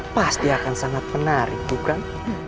pasti akan sangat menarik bukan